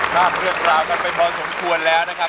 ทราบเรื่องราวกันไปพอสมควรแล้วนะครับ